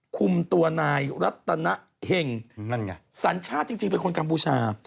คุมตัวนายรัฐนาเห่งสรรชาติจริงเป็นคนกัมพูชา